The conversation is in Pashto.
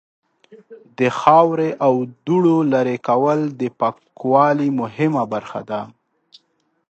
د خاورې او دوړو لرې کول د پاکوالی مهمه برخه ده.